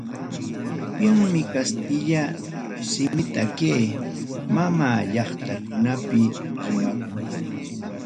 Kunanmi kastilla simitaqa kay mama llaqtakunapi rimakun.